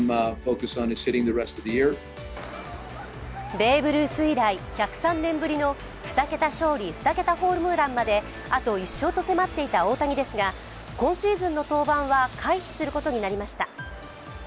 ベーブ・ルース以来１０３年ぶりの２桁勝利・２桁ホームランまで、あと１勝と迫っていた大谷ですが、今シーズンの登板は回避することになりました。